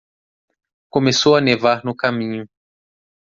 Começou a nevar no caminho.